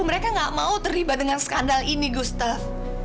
mereka gak mau terlibat dengan skandal ini gustaf